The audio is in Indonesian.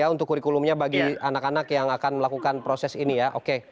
untuk kurikulumnya bagi anak anak yang akan melakukan proses ini ya oke